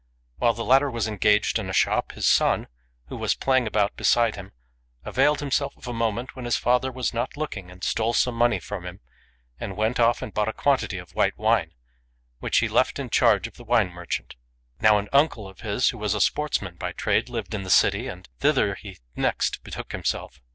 While the latter was engaged in a shop, his son, who was playing about beside him, availed himself of a moment when his father was not looking and stole some money from him, and went off and bought a quantity of white wine, which he left in charge of the wine merchant. Now an uncle of his, who was a sportsman by trade, lived in the city, and thither he next betook himself.